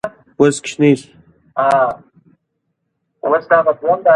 اسلامي نظام د ظلم او فساد مخ نیسي.